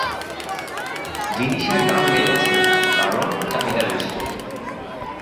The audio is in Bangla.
উদাহরণ: জিনিসের দাম বেড়েছে, কারণ চাহিদা বেশি।